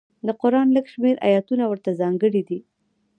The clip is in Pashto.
د قران لږ شمېر ایتونه ورته ځانګړي دي.